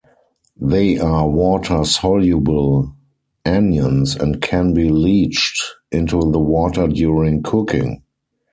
They are water-soluble anions and can be leached into the water during cooking.